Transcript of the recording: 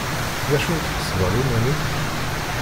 D acu i tḥesbeḍ iman-im?